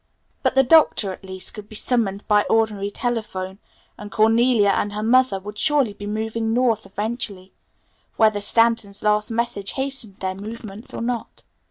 But the Doctor, at least, could be summoned by ordinary telephone, and Cornelia and her mother would surely be moving North eventually, whether Stanton's last message hastened their movements or not.